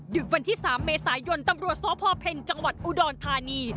วันที่๓เมษายนตำรวจสพเพ็ญจังหวัดอุดรธานี